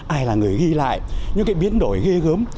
ai là người ghi lại những cái biến đổi ghê gớm